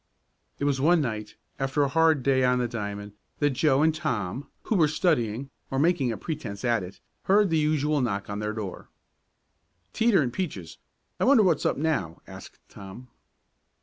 It was one night, after a hard day on the diamond, that Joe and Tom, who were studying, or making a pretense at it, heard the usual knock on their door. "Teeter and Peaches I wonder what's up now?" asked Tom.